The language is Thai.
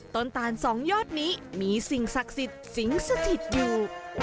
ต้นตาลสองยอดนี้มีสิ่งศักดิ์สิงห์สถิตย์อยู่